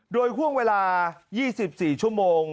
โดยห่วงเวลา๒๔ชั่วโมง